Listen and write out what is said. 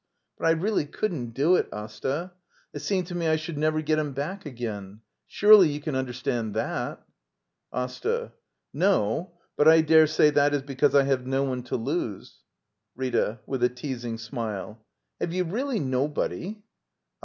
But I really couldn't do it, Asta. It seemed to me I should never get him back again. Surely you can understand that? Asta. No. But I daresay that is because I have no one to lose. Rita. [With a teasing smile.] Have you really nobody —